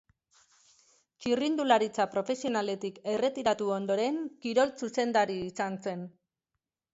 Txirrindularitza profesionaletik erretiratu ondoren kirol zuzendari izan zen.